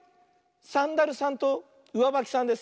サンダルさんとうわばきさんです。